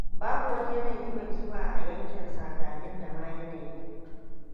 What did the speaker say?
babu wani yanayi mai zuwa a yankin sagagin da ma yanayi